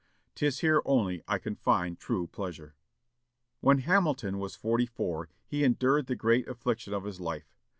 'Tis here only I can find true pleasure." When Hamilton was forty four, he endured the great affliction of his life.